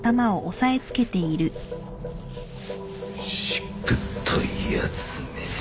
しぶといやつめ。